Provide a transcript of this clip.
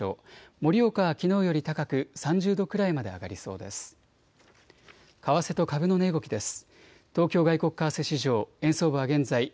盛岡はきのうより高く３０度くらいまで上がりそうです。